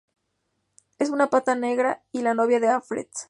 Es una pata negra y la novia de Alfred.